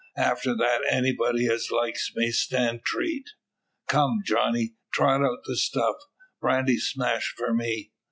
"After that anybody as likes may stand treat. Come, Johnny! trot out the stuff. Brandy smash for me."